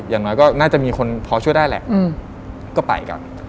อย่างน้อยก็น่าจะมีคนพอช่วยได้แหละก็ไปกัน